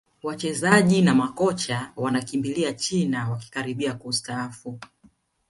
wachezaji na makocha wanakimbilia china wakikaribia kustaafu